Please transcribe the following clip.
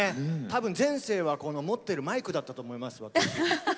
多分前世はこの持ってるマイクだったと思います。